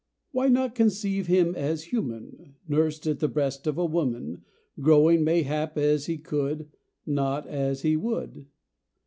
Why not conceive him as human, Nursed at the breast of a woman, Growing, mayhap, as he could, Not as he would?